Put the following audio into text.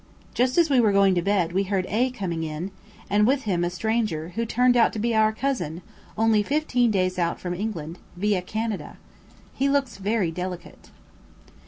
Just as we were going to bed we heard A coming in, and with him a stranger who turned out to be our cousin, only fifteen days out from England, via Canada. He looks very delicate.